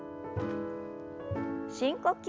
深呼吸。